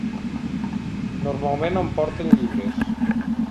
Normalment em porten llibres.